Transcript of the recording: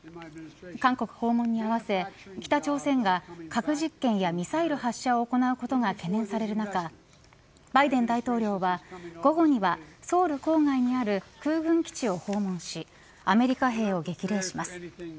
韓国訪問に合わせ北朝鮮が核実験やミサイル発射を行うことが懸念される中バイデン大統領は、午後にはソウル郊外にある空軍基地を訪問しアメリカ兵を激励します。